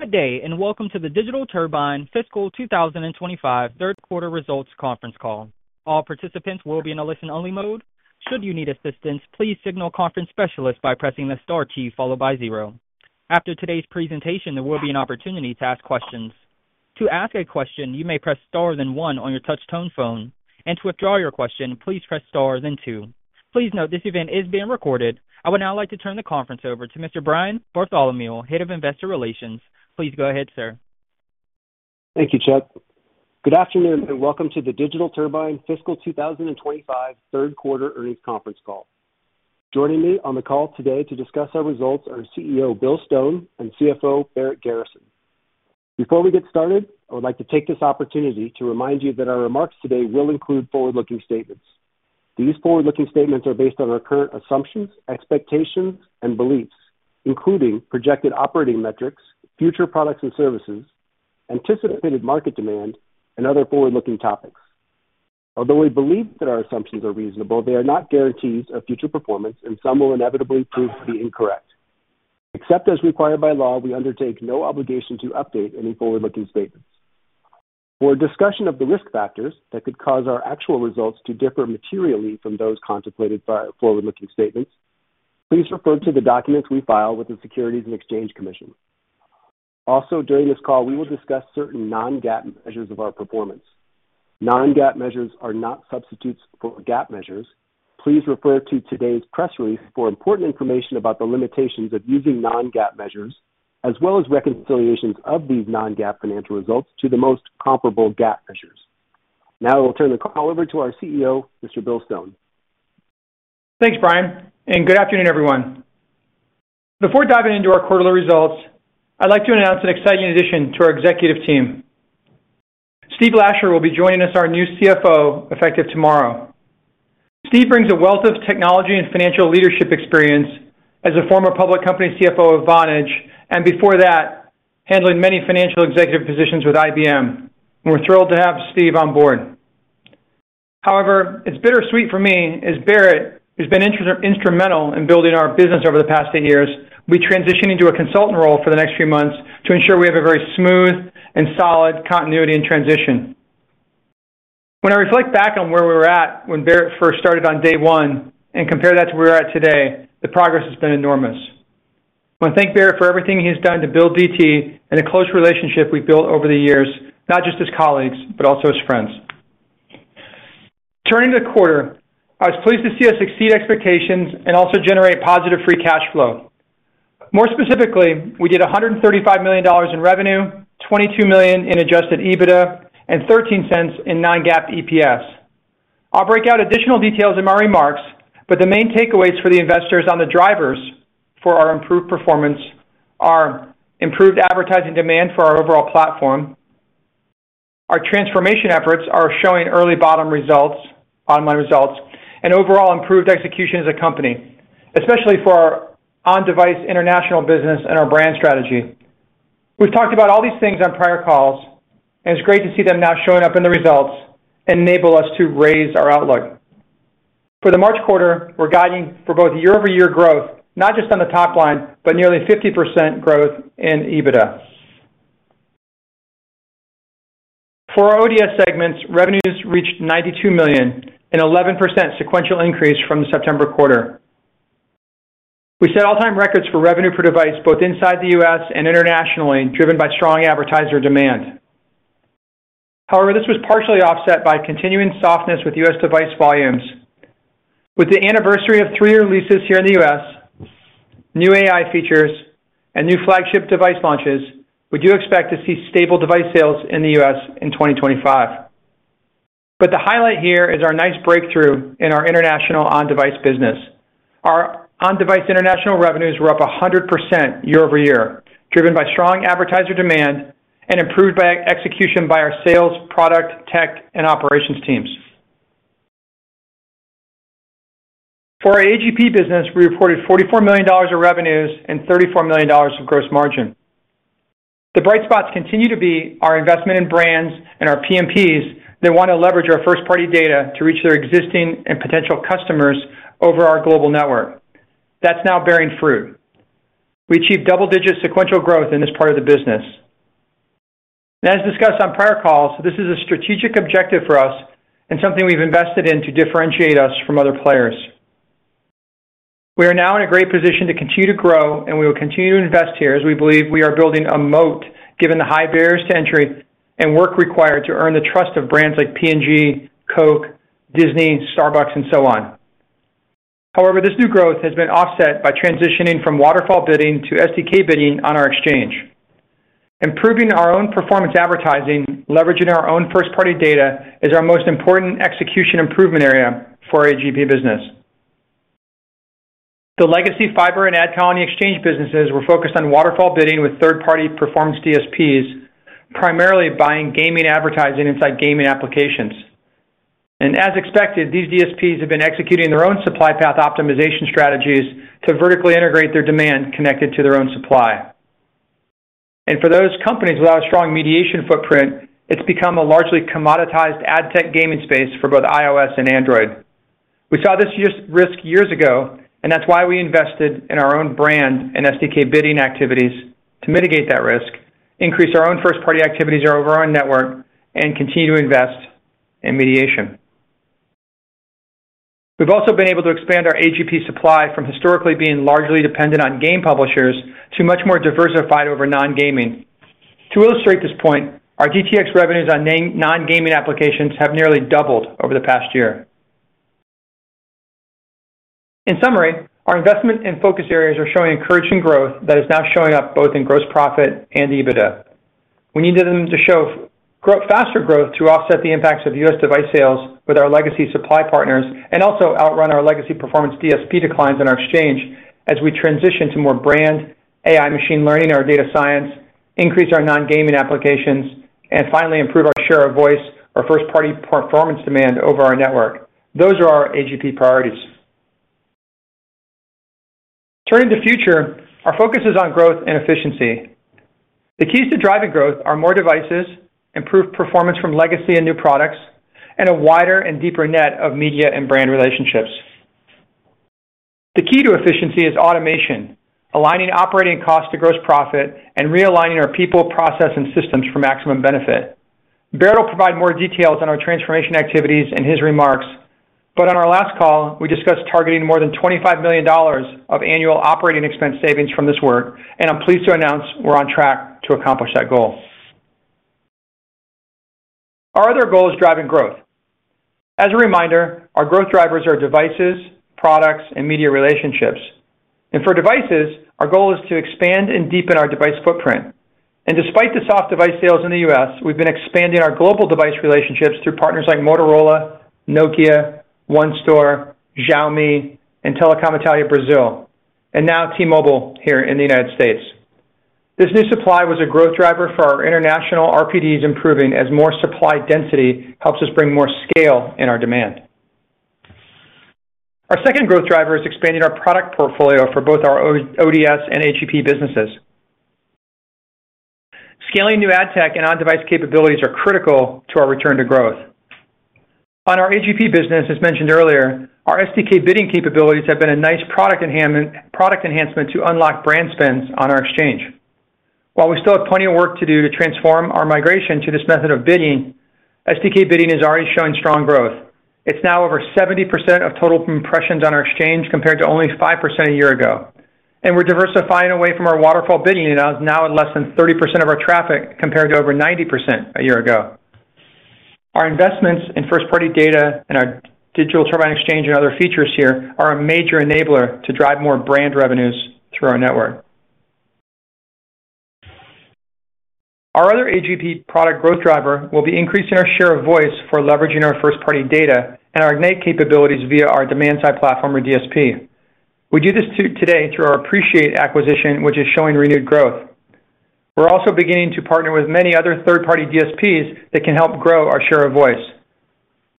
Good day, and welcome to the Digital Turbine Fiscal 2025 third quarter results conference call. All participants will be in a listen-only mode. Should you need assistance, please signal conference specialist by pressing the star key followed by zero. After today's presentation, there will be an opportunity to ask questions. To ask a question, you may press star then one on your touch-tone phone. To withdraw your question, please press star then two. Please note this event is being recorded. I would now like to turn the conference over to Mr. Brian Bartholomew, Head of Investor Relations. Please go ahead, sir. Thank you, Chuck. Good afternoon, and welcome to the Digital Turbine Fiscal 2025 third quarter earnings conference call. Joining me on the call today to discuss our results are CEO Bill Stone and CFO Barrett Garrison. Before we get started, I would like to take this opportunity to remind you that our remarks today will include forward-looking statements. These forward-looking statements are based on our current assumptions, expectations, and beliefs, including projected operating metrics, future products and services, anticipated market demand, and other forward-looking topics. Although we believe that our assumptions are reasonable, they are not guarantees of future performance, and some will inevitably prove to be incorrect. Except as required by law, we undertake no obligation to update any forward-looking statements. For discussion of the risk factors that could cause our actual results to differ materially from those contemplated by our forward-looking statements, please refer to the documents we file with the Securities and Exchange Commission. Also, during this call, we will discuss certain non-GAAP measures of our performance. Non-GAAP measures are not substitutes for GAAP measures. Please refer to today's press release for important information about the limitations of using non-GAAP measures, as well as reconciliations of these non-GAAP financial results to the most comparable GAAP measures. Now, I will turn the call over to our CEO, Mr. Bill Stone. Thanks, Brian, and good afternoon, everyone. Before diving into our quarterly results, I'd like to announce an exciting addition to our executive team. Stephen Lasher will be joining us, our new CFO, effective tomorrow. Steve brings a wealth of technology and financial leadership experience as a former public company CFO of Vonage, and before that, handled many financial executive positions with IBM. We're thrilled to have Steve on board. However, it's bittersweet for me, as Barrett, who's been instrumental in building our business over the past eight years, will be transitioning to a consultant role for the next few months to ensure we have a very smooth and solid continuity in transition. When I reflect back on where we were at when Barrett first started on day one and compare that to where we're at today, the progress has been enormous. I want to thank Barrett for everything he's done to build DT and the close relationship we've built over the years, not just as colleagues, but also as friends. Turning to the quarter, I was pleased to see us exceed expectations and also generate positive free cash flow. More specifically, we did $135 million in revenue, $22 million in Adjusted EBITDA, and $0.13 in non-GAAP EPS. I'll break out additional details in my remarks, but the main takeaways for the investors on the drivers for our improved performance are improved advertising demand for our overall platform. Our transformation efforts are showing early bottom results, bottom line results, and overall improved execution as a company, especially for our on-device international business and our brand strategy. We've talked about all these things on prior calls, and it's great to see them now showing up in the results and enable us to raise our outlook. For the March quarter, we're guiding for both year-over-year growth, not just on the top line, but nearly 50% growth in EBITDA. For our ODS segments, revenues reached $92 million, an 11% sequential increase from the September quarter. We set all-time records for revenue per device, both inside the U.S. and internationally, driven by strong advertiser demand. However, this was partially offset by continuing softness with U.S. device volumes. With the anniversary of three-year leases here in the U.S., new AI features, and new flagship device launches, we do expect to see stable device sales in the U.S. in 2025. But the highlight here is our nice breakthrough in our international on-device business. Our on-device international revenues were up 100% year-over-year, driven by strong advertiser demand and improved by execution by our sales, product, tech, and operations teams. For our AGP business, we reported $44 million of revenues and $34 million of gross margin. The bright spots continue to be our investment in brands and our PMPs that want to leverage our first-party data to reach their existing and potential customers over our global network. That's now bearing fruit. We achieved double-digit sequential growth in this part of the business. As discussed on prior calls, this is a strategic objective for us and something we've invested in to differentiate us from other players. We are now in a great position to continue to grow, and we will continue to invest here as we believe we are building a moat given the high barriers to entry and work required to earn the trust of brands like P&G, Coke, Disney, Starbucks, and so on. However, this new growth has been offset by transitioning from waterfall bidding to SDK bidding on our exchange. Improving our own performance advertising, leveraging our own first-party data, is our most important execution improvement area for our AGP business. The legacy Fyber and AdColony exchange businesses were focused on waterfall bidding with third-party performance DSPs, primarily buying gaming advertising inside gaming applications, and as expected, these DSPs have been executing their own supply path optimization strategies to vertically integrate their demand connected to their own supply. For those companies without a strong mediation footprint, it's become a largely commoditized ad tech gaming space for both iOS and Android. We saw this risk years ago, and that's why we invested in our own brand and SDK bidding activities to mitigate that risk, increase our own first-party activities over our own network, and continue to invest in mediation. We've also been able to expand our AGP supply from historically being largely dependent on game publishers to much more diversified over non-gaming. To illustrate this point, our DTX revenues on non-gaming applications have nearly doubled over the past year. In summary, our investment and focus areas are showing encouraging growth that is now showing up both in gross profit and EBITDA. We need them to show faster growth to offset the impacts of U.S. device sales with our legacy supply partners and also outrun our legacy performance DSP declines in our exchange as we transition to more brand, AI machine learning in our data science, increase our non-gaming applications, and finally improve our share of voice, our first-party performance demand over our network. Those are our AGP priorities. Turning to the future, our focus is on growth and efficiency. The keys to driving growth are more devices, improved performance from legacy and new products, and a wider and deeper net of media and brand relationships. The key to efficiency is automation, aligning operating costs to gross profit and realigning our people, process, and systems for maximum benefit. Barrett will provide more details on our transformation activities and his remarks, but on our last call, we discussed targeting more than $25 million of annual operating expense savings from this work, and I'm pleased to announce we're on track to accomplish that goal. Our other goal is driving growth. As a reminder, our growth drivers are devices, products, and media relationships, and for devices, our goal is to expand and deepen our device footprint, and despite the soft device sales in the U.S., we've been expanding our global device relationships through partners like Motorola, Nokia, ONE Store, Xiaomi, and TIM Brasil, and now T-Mobile here in the United States. This new supply was a growth driver for our international RPDs improving as more supply density helps us bring more scale in our demand. Our second growth driver is expanding our product portfolio for both our ODS and AGP businesses. Scaling new ad tech and on-device capabilities are critical to our return to growth. On our AGP business, as mentioned earlier, our SDK bidding capabilities have been a nice product enhancement to unlock brand spends on our exchange. While we still have plenty of work to do to transform our migration to this method of bidding, SDK bidding is already showing strong growth. It's now over 70% of total impressions on our exchange compared to only 5% a year ago, and we're diversifying away from our waterfall bidding and now at less than 30% of our traffic compared to over 90% a year ago. Our investments in first-party data and our Digital Turbine Exchange and other features here are a major enabler to drive more brand revenues through our network. Our other AGP product growth driver will be increasing our share of voice for leveraging our first-party data and our innate capabilities via our demand-side platform or DSP. We do this today through our Appreciate acquisition, which is showing renewed growth. We're also beginning to partner with many other third-party DSPs that can help grow our share of voice.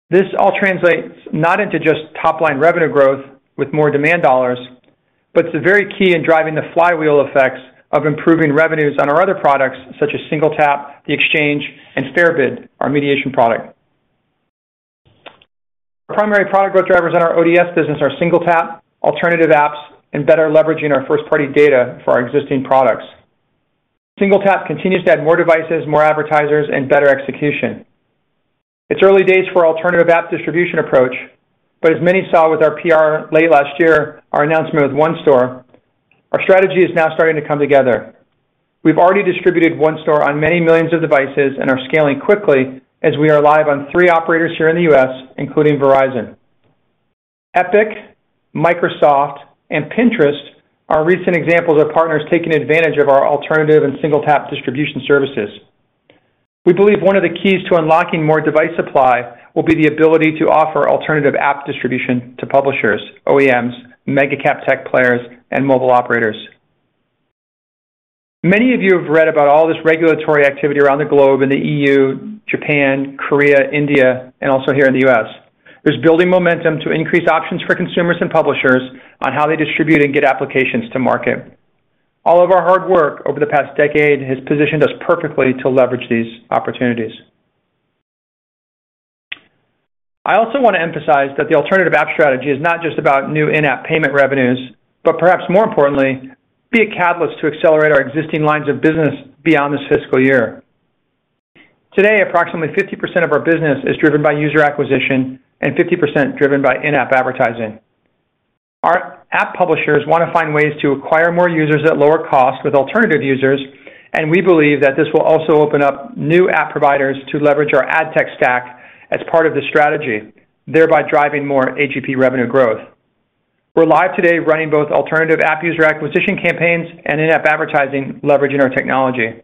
This all translates not into just top-line revenue growth with more demand dollars, but it's very key in driving the flywheel effects of improving revenues on our other products such as SingleTap, the Exchange, and FairBid, our mediation product. Our primary product growth drivers on our ODS business are SingleTap, alternative apps, and better leveraging our first-party data for our existing products. SingleTap continues to add more devices, more advertisers, and better execution. It's early days for our alternative app distribution approach, but as many saw with our PR late last year, our announcement with ONE Store, our strategy is now starting to come together. We've already distributed ONE Store on many millions of devices and are scaling quickly as we are live on three operators here in the U.S., including Verizon. Epic, Microsoft, and Pinterest are recent examples of partners taking advantage of our alternative and SingleTap distribution services. We believe one of the keys to unlocking more device supply will be the ability to offer alternative app distribution to publishers, OEMs, mega-cap tech players, and mobile operators. Many of you have read about all this regulatory activity around the globe in the E.U., Japan, Korea, India, and also here in the U.S. There's building momentum to increase options for consumers and publishers on how they distribute and get applications to market. All of our hard work over the past decade has positioned us perfectly to leverage these opportunities. I also want to emphasize that the alternative app strategy is not just about new in-app payment revenues, but perhaps more importantly, be a catalyst to accelerate our existing lines of business beyond this fiscal year. Today, approximately 50% of our business is driven by user acquisition and 50% driven by in-app advertising. Our app publishers want to find ways to acquire more users at lower cost with alternative users, and we believe that this will also open up new app providers to leverage our ad tech stack as part of the strategy, thereby driving more AGP revenue growth. We're live today running both alternative app user acquisition campaigns and in-app advertising leveraging our technology.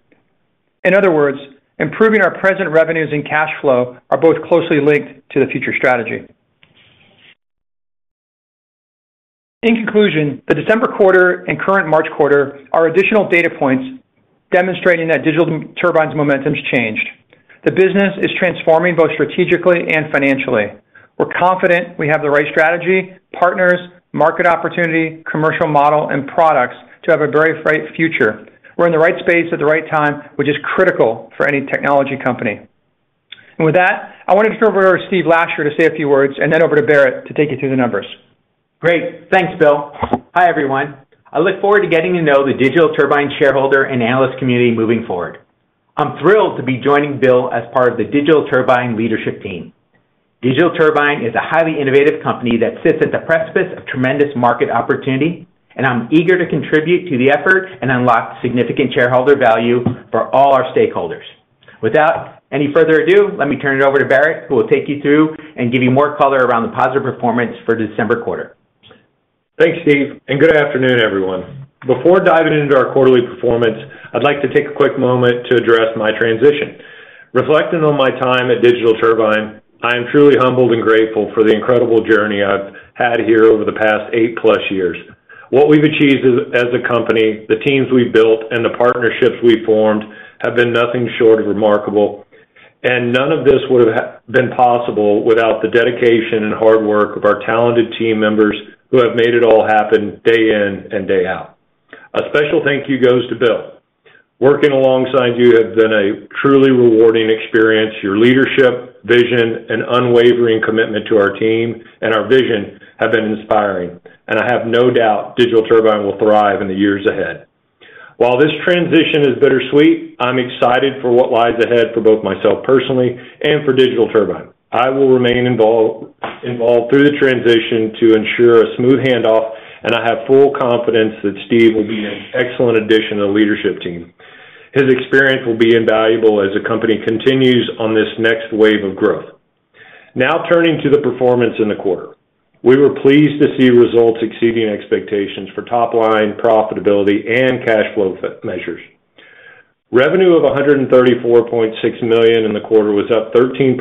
In other words, improving our present revenues and cash flow are both closely linked to the future strategy. In conclusion, the December quarter and current March quarter are additional data points demonstrating that Digital Turbine's momentum's changed. The business is transforming both strategically and financially. We're confident we have the right strategy, partners, market opportunity, commercial model, and products to have a very bright future. We're in the right space at the right time, which is critical for any technology company. And with that, I want to turn over to our Stephen Lasher to say a few words and then over to Barrett to take you through the numbers. Great. Thanks, Bill. Hi, everyone. I look forward to getting to know the Digital Turbine shareholder and analyst community moving forward. I'm thrilled to be joining Bill as part of the Digital Turbine leadership team. Digital Turbine is a highly innovative company that sits at the precipice of tremendous market opportunity, and I'm eager to contribute to the effort and unlock significant shareholder value for all our stakeholders. Without any further ado, let me turn it over to Barrett, who will take you through and give you more color around the positive performance for December quarter. Thanks, Stephen, and good afternoon, everyone. Before diving into our quarterly performance, I'd like to take a quick moment to address my transition. Reflecting on my time at Digital Turbine, I am truly humbled and grateful for the incredible journey I've had here over the past eight-plus years. What we've achieved as a company, the teams we've built, and the partnerships we've formed have been nothing short of remarkable, and none of this would have been possible without the dedication and hard work of our talented team members who have made it all happen day in and day out. A special thank you goes to Bill. Working alongside you has been a truly rewarding experience. Your leadership, vision, and unwavering commitment to our team and our vision have been inspiring, and I have no doubt Digital Turbine will thrive in the years ahead. While this transition is bittersweet, I'm excited for what lies ahead for both myself personally and for Digital Turbine. I will remain involved through the transition to ensure a smooth handoff, and I have full confidence that Steve will be an excellent addition to the leadership team. His experience will be invaluable as the company continues on this next wave of growth. Now turning to the performance in the quarter, we were pleased to see results exceeding expectations for top-line profitability and cash flow measures. Revenue of $134.6 million in the quarter was up 13%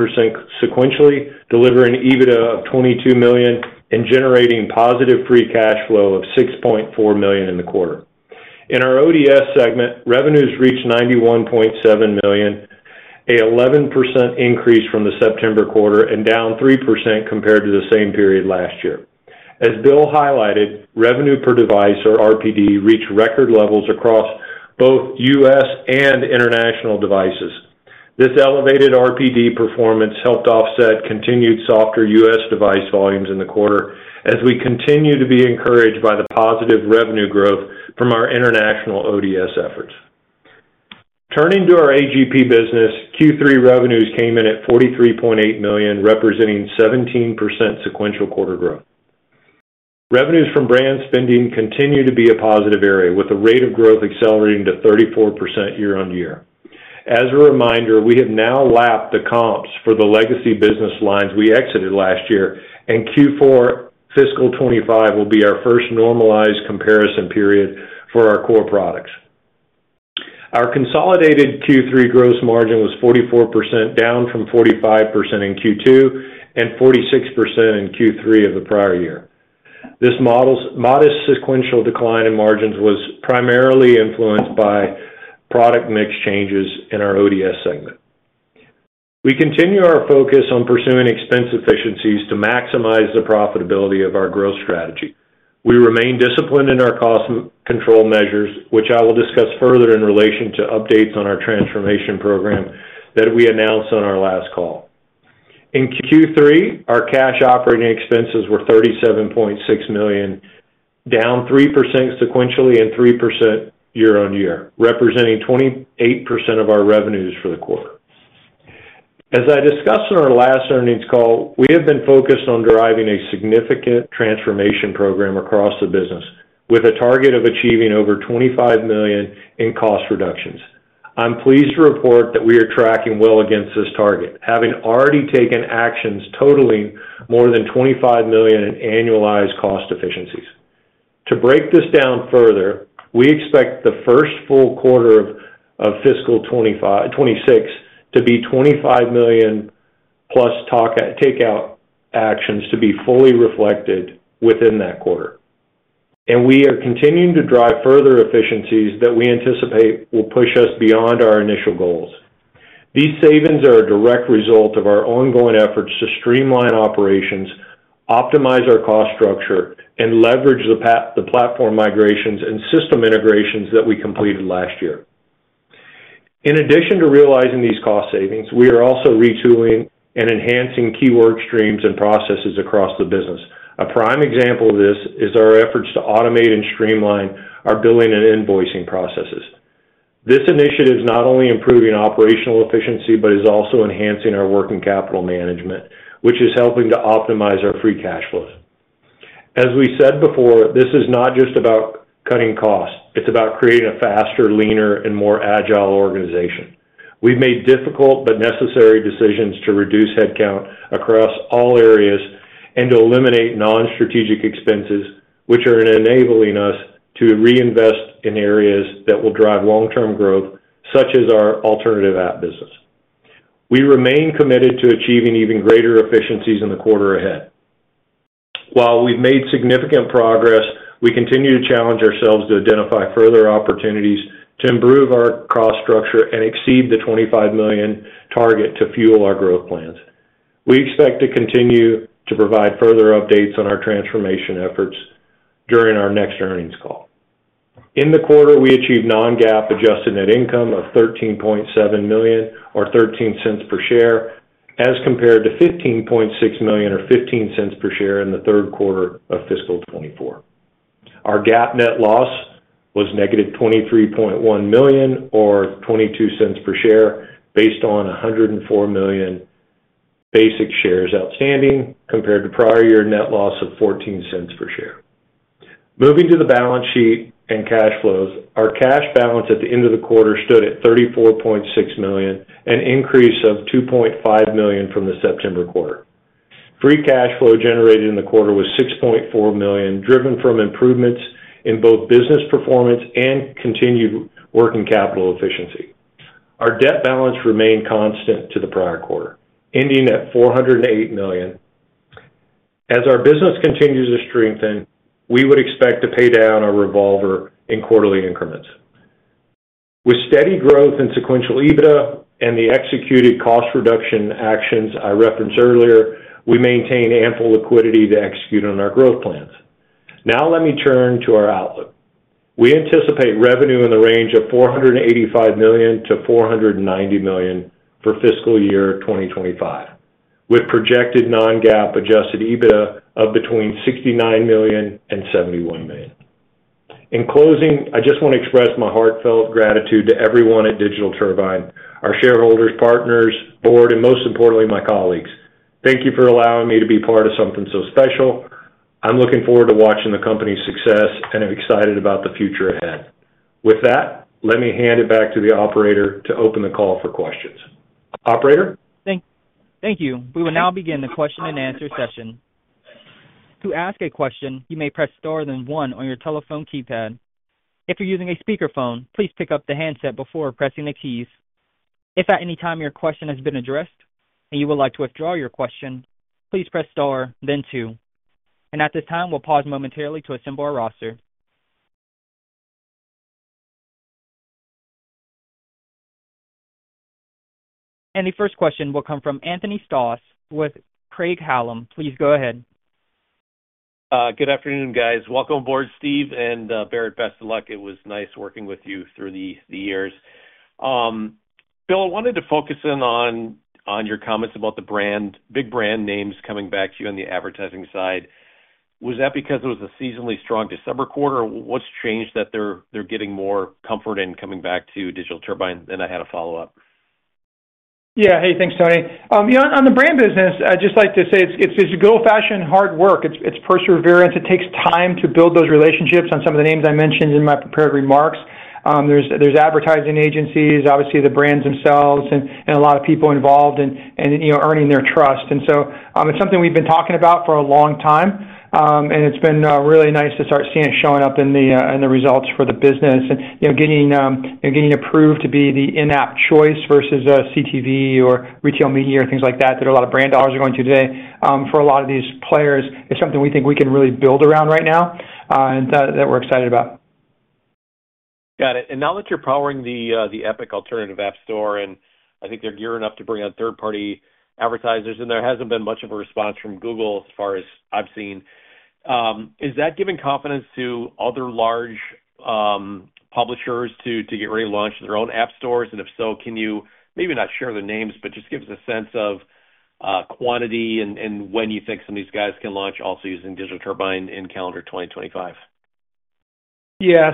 sequentially, delivering EBITDA of $22 million and generating positive free cash flow of $6.4 million in the quarter. In our ODS segment, revenues reached $91.7 million, an 11% increase from the September quarter and down 3% compared to the same period last year. As Bill highlighted, revenue per device, or RPD, reached record levels across both U.S. and international devices. This elevated RPD performance helped offset continued softer U.S. device volumes in the quarter as we continue to be encouraged by the positive revenue growth from our international ODS efforts. Turning to our AGP business, Q3 revenues came in at $43.8 million, representing 17% sequential quarter growth. Revenues from brand spending continue to be a positive area, with the rate of growth accelerating to 34% year on year. As a reminder, we have now lapped the comps for the legacy business lines we exited last year, and Q4 fiscal 2025 will be our first normalized comparison period for our core products. Our consolidated Q3 gross margin was 44%, down from 45% in Q2 and 46% in Q3 of the prior year. This modest sequential decline in margins was primarily influenced by product mix changes in our ODS segment. We continue our focus on pursuing expense efficiencies to maximize the profitability of our growth strategy. We remain disciplined in our cost control measures, which I will discuss further in relation to updates on our transformation program that we announced on our last call. In Q3, our cash operating expenses were $37.6 million, down 3% sequentially and 3% year on year, representing 28% of our revenues for the quarter. As I discussed in our last earnings call, we have been focused on driving a significant transformation program across the business with a target of achieving over $25 million in cost reductions. I'm pleased to report that we are tracking well against this target, having already taken actions totaling more than $25 million in annualized cost efficiencies. To break this down further, we expect the first full quarter of fiscal 2026 to be $25 million plus takeout actions to be fully reflected within that quarter. We are continuing to drive further efficiencies that we anticipate will push us beyond our initial goals. These savings are a direct result of our ongoing efforts to streamline operations, optimize our cost structure, and leverage the platform migrations and system integrations that we completed last year. In addition to realizing these cost savings, we are also retooling and enhancing key work streams and processes across the business. A prime example of this is our efforts to automate and streamline our billing and invoicing processes. This initiative is not only improving operational efficiency but is also enhancing our working capital management, which is helping to optimize our free cash flows. As we said before, this is not just about cutting costs. It's about creating a faster, leaner, and more agile organization. We've made difficult but necessary decisions to reduce headcount across all areas and to eliminate non-strategic expenses, which are enabling us to reinvest in areas that will drive long-term growth, such as our alternative app business. We remain committed to achieving even greater efficiencies in the quarter ahead. While we've made significant progress, we continue to challenge ourselves to identify further opportunities to improve our cost structure and exceed the $25 million target to fuel our growth plans. We expect to continue to provide further updates on our transformation efforts during our next earnings call. In the quarter, we achieved non-GAAP adjusted net income of $13.7 million, or $0.13 per share, as compared to $15.6 million, or $0.15 per share, in the third quarter of fiscal 2024. Our GAAP net loss was negative $23.1 million, or $0.22 per share, based on 104 million basic shares outstanding compared to prior year net loss of $0.14 per share. Moving to the balance sheet and cash flows, our cash balance at the end of the quarter stood at $34.6 million, an increase of $2.5 million from the September quarter. Free cash flow generated in the quarter was $6.4 million, driven from improvements in both business performance and continued working capital efficiency. Our debt balance remained constant to the prior quarter, ending at $408 million. As our business continues to strengthen, we would expect to pay down our revolver in quarterly increments. With steady growth in sequential EBITDA and the executed cost reduction actions I referenced earlier, we maintain ample liquidity to execute on our growth plans. Now let me turn to our outlook. We anticipate revenue in the range of $485-$490 million for fiscal year 2025, with projected non-GAAP adjusted EBITDA of between $69 million and $71 million. In closing, I just want to express my heartfelt gratitude to everyone at Digital Turbine, our shareholders, partners, board, and most importantly, my colleagues. Thank you for allowing me to be part of something so special. I'm looking forward to watching the company's success and am excited about the future ahead. With that, let me hand it back to the operator to open the call for questions. Operator? Thank you. We will now begin the question and answer session. To ask a question, you may press star then one on your telephone keypad. If you're using a speakerphone, please pick up the handset before pressing the keys. If at any time your question has been addressed and you would like to withdraw your question, please press star, then two. And at this time, we'll pause momentarily to assemble our roster. And the first question will come from Anthony Stoss with Craig-Hallum. Please go ahead. Good afternoon, guys. Welcome aboard, Stephen and Barrett. Best of luck. It was nice working with you through the years. Bill, I wanted to focus in on your comments about the big brand names coming back to you on the advertising side. Was that because it was a seasonally strong December quarter, or what's changed that they're getting more comfort in coming back to Digital Turbine? Then I had a follow-up. Yeah. Hey, thanks, Anthony. On the brand business, I'd just like to say it's good old-fashioned hard work. It's perseverance. It takes time to build those relationships on some of the names I mentioned in my prepared remarks. There's advertising agencies, obviously the brands themselves, and a lot of people involved in earning their trust. And so it's something we've been talking about for a long time, and it's been really nice to start seeing it showing up in the results for the business and getting approved to be the in-app choice versus CTV or retail media or things like that that a lot of brand dollars are going to today. For a lot of these players, it's something we think we can really build around right now that we're excited about. Got it. And now that you're powering the Epic alternative app store, and I think they're geared enough to bring on third-party advertisers, and there hasn't been much of a response from Google as far as I've seen, is that giving confidence to other large publishers to get ready to launch their own app stores? And if so, can you maybe not share the names, but just give us a sense of quantity and when you think some of these guys can launch also using Digital Turbine in calendar 2025? Yeah,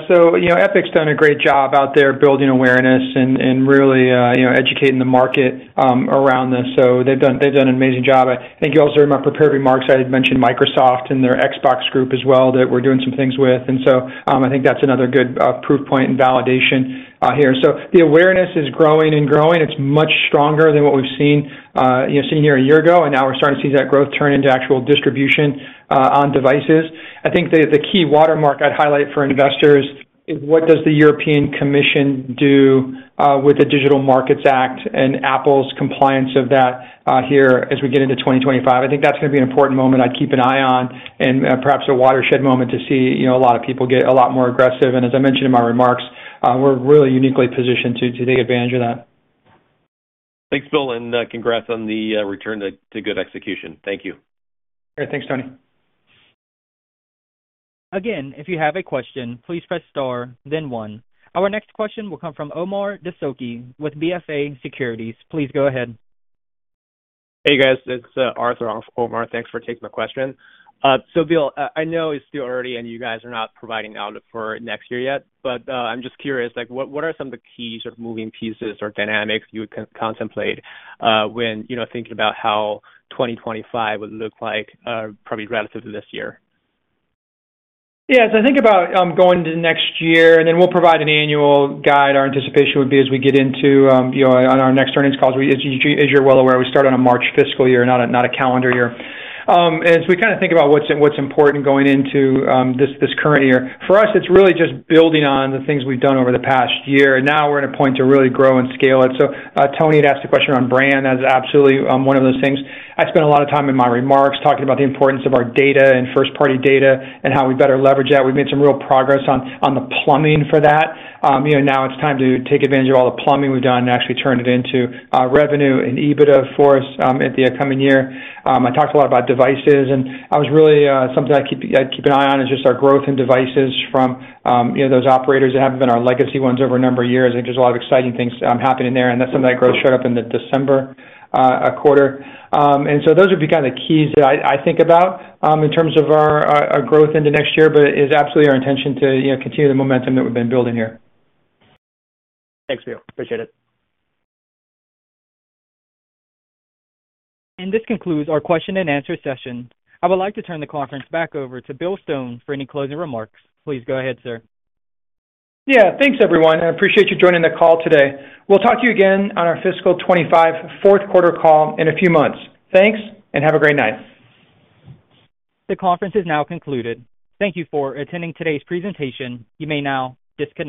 so Epic's done a great job out there building awareness and really educating the market around this, so they've done an amazing job. I think you also heard my prepared remarks. I had mentioned Microsoft and their Xbox group as well that we're doing some things with, and so I think that's another good proof point and validation here. So the awareness is growing and growing. It's much stronger than what we've seen here a year ago, and now we're starting to see that growth turn into actual distribution on devices. I think the key watermark I'd highlight for investors is what does the European Commission do with the Digital Markets Act and Apple's compliance of that here as we get into 2025. I think that's going to be an important moment I'd keep an eye on and perhaps a watershed moment to see a lot of people get a lot more aggressive, and as I mentioned in my remarks, we're really uniquely positioned to take advantage of that. Thanks, Bill, and congrats on the return to good execution. Thank you. All right. Thanks, Anthony. Again, if you have a question, please press star, then one. Our next question will come from Omar Dessouky with BofA Securities. Please go ahead. Hey, guys. It's Arthur for Omar. Thanks for taking the question. So Bill, I know it's still early and you guys are not providing outlook for next year yet, but I'm just curious, what are some of the key sort of moving pieces or dynamics you would contemplate when thinking about how 2025 would look like probably relative to this year? Yeah. So I think about going to next year, and then we'll provide an annual guide. Our anticipation would be as we get into on our next earnings calls, as you're well aware, we start on a March fiscal year, not a calendar year. And so we kind of think about what's important going into this current year. For us, it's really just building on the things we've done over the past year. Now we're at a point to really grow and scale it. So Anthony had asked a question around brand. That is absolutely one of those things. I spent a lot of time in my remarks talking about the importance of our data and first-party data and how we better leverage that. We've made some real progress on the plumbing for that. Now it's time to take advantage of all the plumbing we've done and actually turn it into revenue and EBITDA for us in the coming year. I talked a lot about devices, and something I keep an eye on is just our growth in devices from those operators that have been our legacy ones over a number of years. I think there's a lot of exciting things happening there, and that's something that growth showed up in the December quarter. And so those would be kind of the keys that I think about in terms of our growth into next year, but it is absolutely our intention to continue the momentum that we've been building here. Thanks, Bill. Appreciate it. This concludes our question and answer session. I would like to turn the conference back over to Bill Stone for any closing remarks. Please go ahead, sir. Yeah. Thanks, everyone. I appreciate you joining the call today. We'll talk to you again on our fiscal 2025 fourth-quarter call in a few months. Thanks, and have a great night. The conference is now concluded. Thank you for attending today's presentation. You may now disconnect.